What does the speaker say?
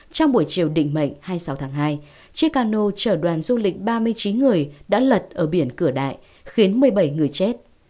trong buổi chiều định mệnh hai mươi sáu tháng hai chiếc cano chở đoàn du lịch ba mươi chín người đã lật ở biển cửa đại khiến một mươi bảy người chết